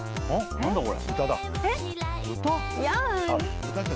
何だこれ？